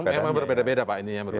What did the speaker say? memang berbeda beda pak ini ya